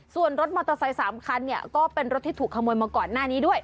ส่วนรถมอเตอร์ไซค์๓คันเนี่ยก็เป็นรถที่ถูกขโมยมาก่อนหน้านี้ด้วย